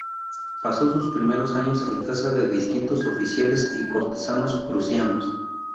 Pasó sus primeros años en casa de distintos oficiales y cortesanos prusianos.